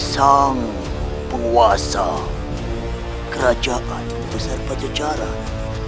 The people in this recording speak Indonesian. sang puasa kerajaan besar pajacaran